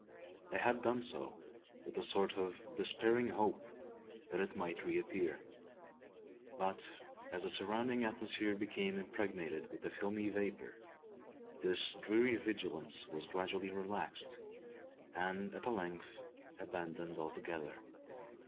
They had done so, with a sort of despairing hope that it might reappear; but, as the surrounding atmosphere became impregnated with the filmy vapour, this dreary vigilance was gradually relaxed, and at length abandoned altogether.